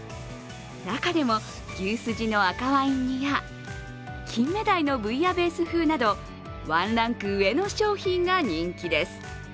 中でも牛すじの赤ワイン煮や金目鯛のブイヤベース風などワンランク上の商品が人気です。